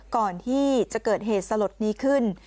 ก่อนที่จะเกิดเหตุสลดนี้ขึ้น